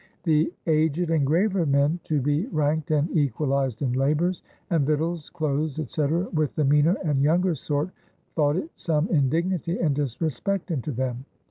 The aged and graver men to be ranked and equalised in labours, and victails, cloaths, etc., with the meaner and yonger sorte, thought it some indignitie and disrespect unto them.